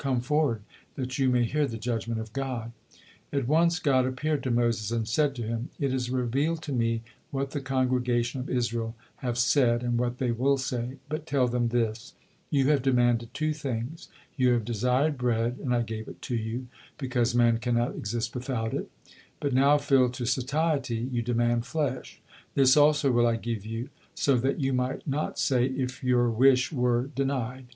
Come forward, that you may hear the judgment of God." At once God appeared to Moses, and said to him: "It is revealed to Me what the congregation of Israel have said, and what they will say, but tell them this: You have demanded two things; you have desired bread, and I gave it to you, because man cannot exist without it; but now, filled to satiety, you demand flesh; this also will I give you, so that you might not say if your wish were denied.